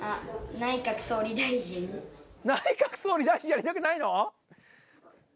内閣総理大臣、やりたくないの？